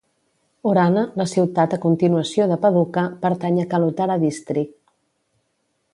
Horana, la ciutat a continuació de Padukka, pertany a Kalutara District.